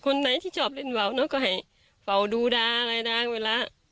คนไหนที่ชอบเล่นวาวเนอะก็ให้เป่าดูดาอะไรนะเวลา